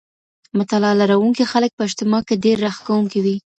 مطالعه لرونکي خلګ په اجتماع کي ډېر راښکونکي وي.